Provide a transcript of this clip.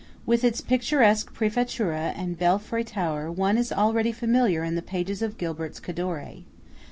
With its picturesque Prefettura and belfry tower one is already familiar in the pages of Gilbert's "Cadore."